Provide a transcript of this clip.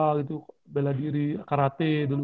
olahraga juga bela diri karate dulu